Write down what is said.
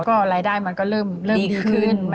ก็รายได้มันก็เริ่มดีขึ้น